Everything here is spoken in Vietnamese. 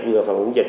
vừa phòng chống dịch